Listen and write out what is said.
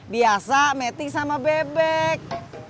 biasa meting sama bebek